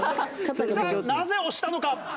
なぜ押したのか？